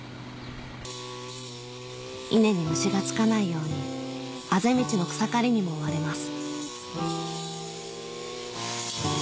稲に虫が付かないようにあぜ道の草刈りにも追われます